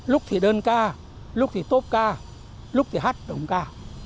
lúc thì đơn ca lúc thì tốt ca lúc thì hát đồng ca